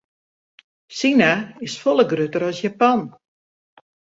Sina is folle grutter as Japan.